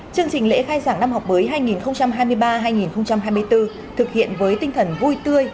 chương trình lễ khai giảng năm học mới hai nghìn hai mươi ba hai nghìn hai mươi bốn thực hiện với tinh thần vui tươi